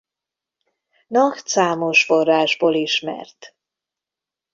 Naht számos forrásból ismert.